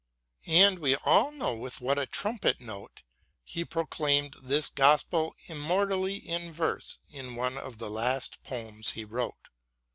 And we all know with what a trumpet note he proclaimed this gospel immortally in verse in one of the last poems he wrote.